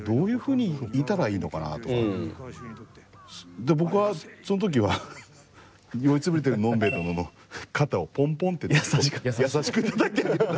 で僕はその時は酔い潰れてるのんべえ殿の肩をポンポンって優しくたたいて。